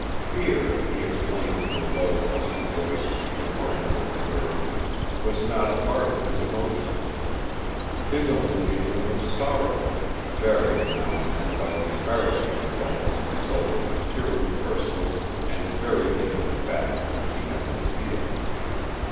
Fear, he explained in a low, husky voice to the coroner and the jury, was not a part of his emotions. His only feeling was sorrow, varied now and then by the embarrassment he felt as a result of the purely personal and very intimate facts which he had to reveal.